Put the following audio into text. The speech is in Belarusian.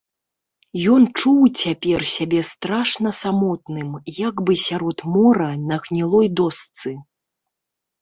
Ён чуў цяпер сябе страшна самотным, як бы сярод мора на гнілой дошцы.